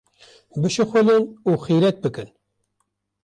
bişuxulin û xîretbikin.